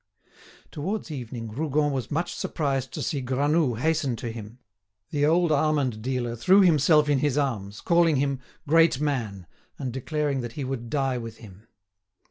Towards evening, Rougon was much surprised to see Granoux hasten to him. The old almond dealer threw himself in his arms, calling him "great man," and declaring that he would die with him.